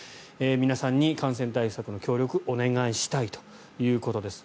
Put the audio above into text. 皆さんに感染対策の協力をお願いしたいということです。